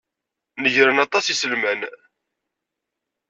Negren aṭas n yiselman.